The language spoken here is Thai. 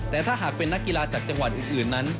แต่ถ้าหากเป็นนักกีฬาจากจังหวัดอื่นนั้น